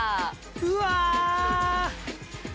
うわ！